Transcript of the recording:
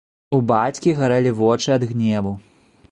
У бацькі гарэлі вочы ад гневу.